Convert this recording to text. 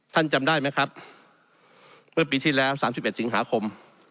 จำได้ไหมครับเมื่อปีที่แล้ว๓๑สิงหาคม